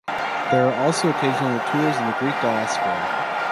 There are also occasional tours in the Greek diaspora.